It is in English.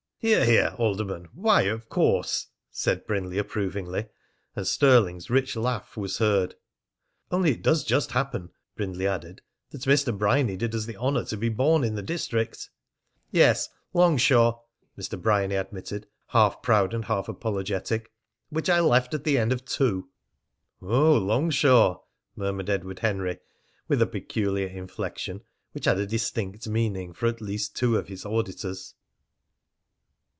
"Hear! Hear! Alderman. Why 'of course'?" said Brindley approvingly, and Stirling's rich laugh was heard. "Only it does just happen," Brindley added, "that Mr. Bryany did us the honour to be born in the district." "Yes. Longshaw," Mr. Bryany admitted, half proud and half apologetic, "which I left at the age of two." "Oh, Longshaw!" murmured Edward Henry with a peculiar inflection, which had a distinct meaning for at least two of his auditors.